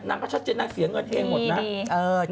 ก็ชัดเจนนางเสียเงินเองหมดนะ